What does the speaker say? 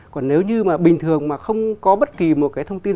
còn nếu như mà bình thường mà không có bất kỳ một cái thông tin